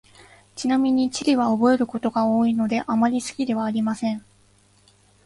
ちなみに、地理は覚えることが多いので、あまり好きではありません。